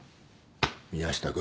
宮下君。